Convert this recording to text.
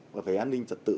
về an ninh trật tự